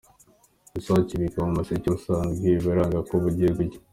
Isake ibika mu museke, ubusanzwe iba iranga ko bugiye gucya.